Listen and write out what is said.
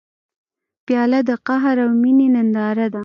پیاله د قهر او مینې ننداره ده.